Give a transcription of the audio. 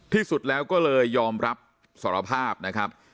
ที่สุดแล้วก็เลยยอมรับสารภาพนะครับ